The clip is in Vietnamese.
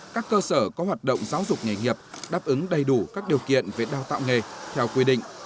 các cơ sở có hoạt động giáo dục nghề nghiệp đáp ứng đầy đủ các điều kiện về đào tạo nghề theo quy định